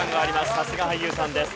さすが俳優さんです。